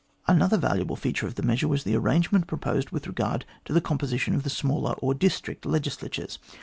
Another valuable feature of the measure was the arrange ment proposed with regard to the composition of the smaller or district legislatures.